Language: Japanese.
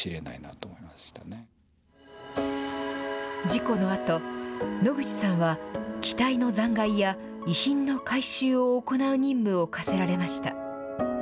事故のあと、野口さんは機体の残骸や遺品の回収を行う任務を課せられました。